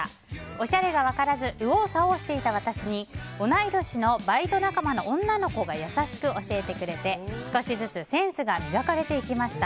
おしゃれが分からず右往左往していた私に同い年のバイト仲間の女の子が優しく教えてくれて、少しずつセンスが磨かれていきました。